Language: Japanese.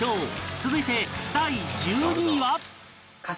続いて第１２位は